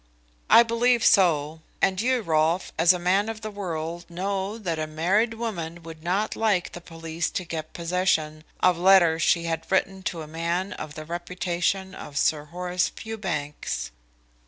"I believe so. And you, Rolfe, as a man of the world, know that a married woman would not like the police to get possession of letters she had written to a man of the reputation of Sir Horace Fewbanks."